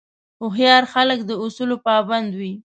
هوښیار خلک د اصولو پابند وي.